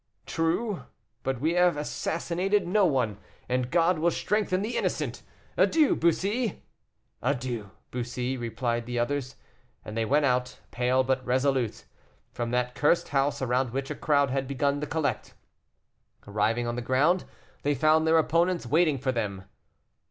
"True, but we have assassinated no one, and God will strengthen the innocent. Adieu, Bussy!" "Adieu, Bussy!" repeated the others; and they went out, pale but resolute, from that cursed house, around which a crowd had begun to collect. Arriving on the ground, they found their opponents waiting for them.